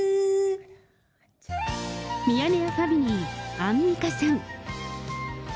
ミヤネ屋ファミリー、アンミカさん。